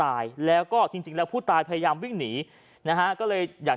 ในรถคันนึงเขาพุกอยู่ประมาณกี่โมงครับ๔๕นัท